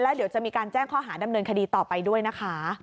เดี๋ยวจะมีการแจ้งข้อหาดำเนินคดีต่อไปด้วยนะคะ